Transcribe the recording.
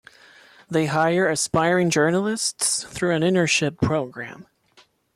They hire aspiring journalists through an internship program.